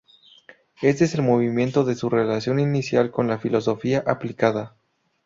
Este es el motivo de su relación inicial con la Filosofía Aplicada.